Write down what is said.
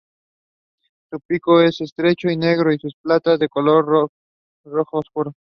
Su pico es estrecho y negro y sus patas son de color rojo oscuro.